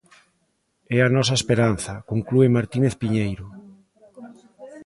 "É a nosa esperanza", conclúe Martínez Piñeiro.